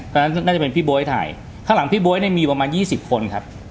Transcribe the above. ตอนนั้นน่าจะเป็นพี่โบ๊ยถ่ายข้างหลังพี่โบ๊ยเนี่ยมีประมาณยี่สิบคนครับ